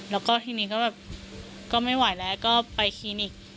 แล้วก็ทีนี้ก็แบบก็ไม่ไหวแล้วก็ไปคลินิก